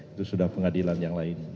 itu sudah pengadilan yang lain